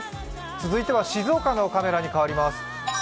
続いては静岡のカメラに替わります。